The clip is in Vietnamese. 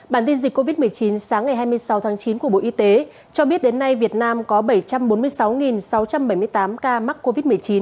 bản tin dịch covid một mươi chín sáng ngày hai mươi sáu tháng chín của bộ y tế cho biết đến nay việt nam có bảy trăm bốn mươi sáu sáu trăm bảy mươi tám ca mắc covid một mươi chín